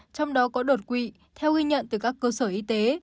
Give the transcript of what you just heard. trong đó có đột quỵ theo ghi nhận từ các cơ sở y tế